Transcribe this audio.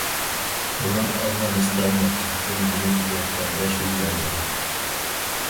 بۇرۇن ئافغانىستان نەچچە قېتىم يېنىك يەر تەۋرەش يۈز بەرگەن.